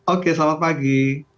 oke selamat pagi